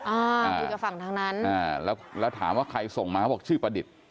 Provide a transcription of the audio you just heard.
อ่าคุยกับฝั่งทั้งนั้นแล้วถามว่าใครส่งมาบอกชื่อประดิษฐ์